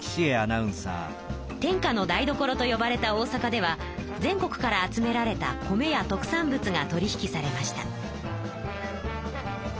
天下の台所とよばれた大阪では全国から集められた米や特産物が取り引きされました。